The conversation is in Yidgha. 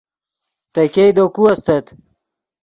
تے ګئے دے کو استت